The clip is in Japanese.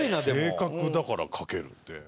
性格だから描けるって？